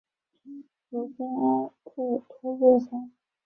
鲁菲阿克托洛桑。